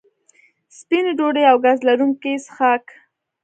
سپینې ډوډۍ او ګاز لرونکي څښاک